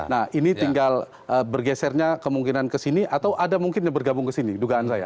nah ini tinggal bergesernya kemungkinan kesini atau ada mungkin yang bergabung ke sini dugaan saya